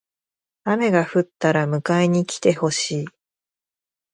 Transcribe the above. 雨が降ったら迎えに来てほしい。